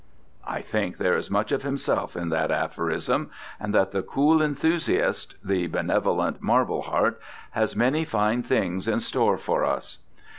I think there is much of himself in that aphorism, and that the cool enthusiast, the benevolent marbleheart, has many fine things in store for us.